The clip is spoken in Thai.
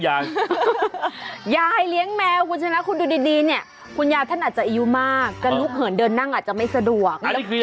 ยายเลี้ยงแมวอย่างเจ้าตอนนี้ดูดีคุณยายท่านอาจจะอียุมากก็ลูกเหินเดินนั่งอาจจะไม่สะดวก